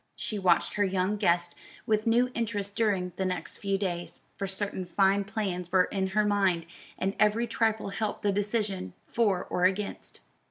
She watched her young guest with new interest during the next few days; for certain fine plans were in her mind, and every trifle helped the decision for or against.